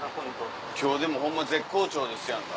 今日でもホンマ絶好調ですやんか。